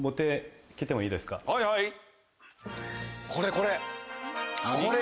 これこれ！